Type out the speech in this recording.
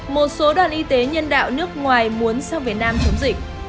một số đoàn y tế nhân đạo nước ngoài muốn sang việt nam chống dịch